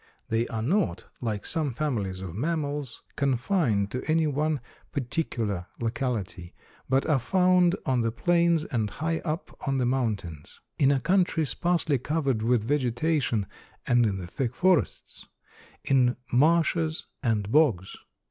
They are not, like some families of mammals, confined to any one particular locality, but are found on the plains and high up on the mountains; in a country sparsely covered with vegetation and in the thick forests; in marshes and bogs.